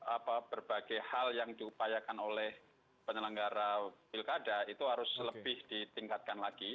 apa berbagai hal yang diupayakan oleh penyelenggara pilkada itu harus lebih ditingkatkan lagi